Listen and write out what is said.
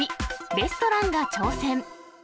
レストランが挑戦。